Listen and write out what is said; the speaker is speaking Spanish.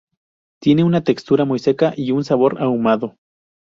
Tiene una textura muy seca y un sabor ahumado.